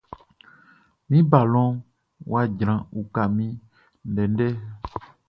Min balɔnʼn wʼa jran, uka min ndɛndɛ!